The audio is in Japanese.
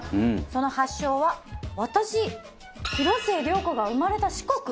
その発祥は私広末涼子が生まれた四国！